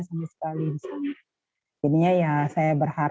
jadi saya berharap mudah mudahan ini bisa terwujud walaupun tidak ada kata terlambat